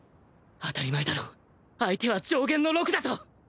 当たり前だろ相手は上弦の陸だぞ！